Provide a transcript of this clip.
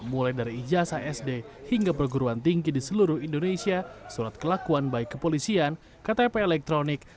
mulai dari ijasa sd hingga perguruan tinggi di seluruh indonesia surat kelakuan baik kepolisian ktp elektronik